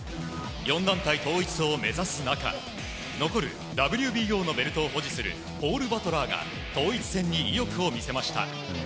４団体統一を目指す中残るＷＢＯのメダルを保持するポール・バトラーが統一選に意欲を見せました。